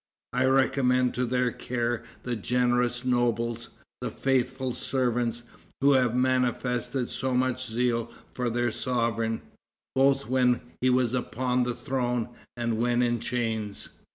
I recommend to their care the generous nobles, the faithful servants who have manifested so much zeal for their sovereign, both when he was upon the throne and when in chains."